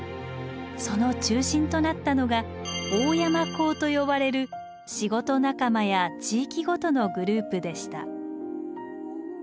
その中心となったのが「大山講」と呼ばれる仕事仲間や地域ごとのグループでした。